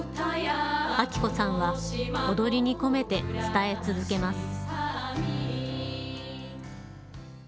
明子さんは踊りに込めて伝え続けます。